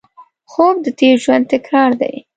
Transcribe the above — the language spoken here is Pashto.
خوب د تېر ژوند تکرار دی